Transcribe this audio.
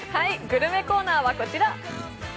グルメコーナーは、こちら。